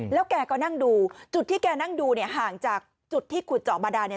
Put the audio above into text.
แล้วแกก็นั่งดูจุดที่แกนั่งดูเนี่ยห่างจากจุดที่ขุดเจาะบาดาเนี่ย